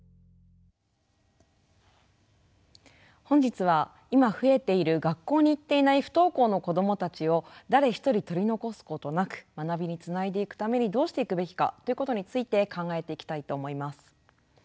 本日は今増えている学校に行っていない不登校の子どもたちを誰一人取り残すことなく学びにつないでいくためにどうしていくべきかということについて考えていきたいと思います。